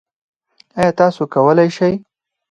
ایا تاسو کولی شئ؟